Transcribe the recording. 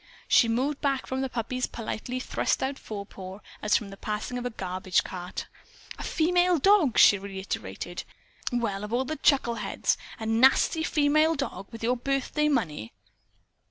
She moved back from the puppy's politely out thrust forepaw as from the passing of a garbage cart. "A female dog!" she reiterated. "Well, of all the chuckle heads! A nasty FEMALE dog, with your birthday money!"